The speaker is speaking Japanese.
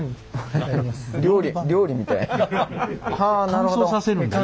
乾燥させるんだ１日。